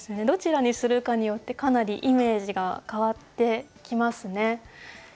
どちらにするかによってかなりイメージが変わってきますね。